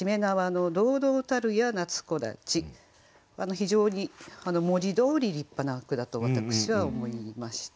非常に文字どおり立派な句だと私は思いました。